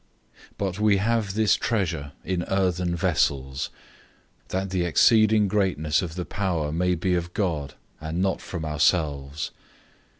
004:007 But we have this treasure in clay vessels, that the exceeding greatness of the power may be of God, and not from ourselves.